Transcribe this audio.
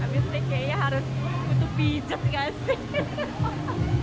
habis dikeyak harus utuh pijat gak sih